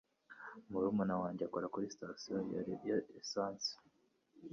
Murumuna wanjye akora kuri sitasiyo ya lisansi.